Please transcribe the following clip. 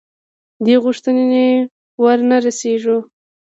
دې غوښتنې ورنه رسېږو.